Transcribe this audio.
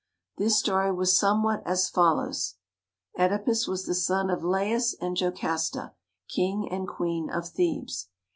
This story was somewhat as follows: Oedipus was the son of Laius and Jocasta, king and queen of Thebes.